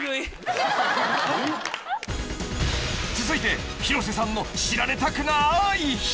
［続いて広瀬さんの］